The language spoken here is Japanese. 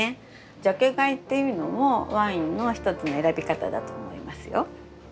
ジャケ買いっていうのもワインの一つの選び方だと思いますよ。